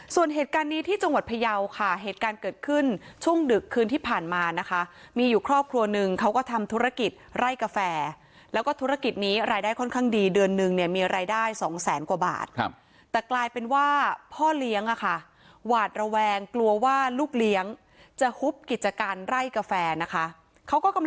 ส่วนเหตุการณ์นี้ที่จังหวัดพยาวค่ะเหตุการณ์เกิดขึ้นช่วงดึกคืนที่ผ่านมานะคะมีอยู่ครอบครัวนึงเขาก็ทำธุรกิจไร่กาแฟแล้วก็ธุรกิจนี้รายได้ค่อนข้างดีเดือนนึงเนี่ยมีรายได้สองแสนกว่าบาทครับแต่กลายเป็นว่าพ่อเลี้ยงอ่ะค่ะหวาดระแวงกลัวว่าลูกเลี้ยงจะฮุบกิจการไร่กาแฟนะคะเขาก็กำ